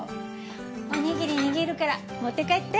おにぎり握るから持って帰って。